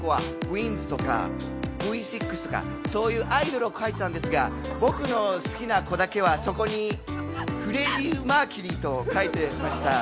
−ｉｎｄｓとかＶ６とかそういうアイドルを書いてたんですが僕の好きな子だけはそこにフレディ・マーキュリーと書いてました。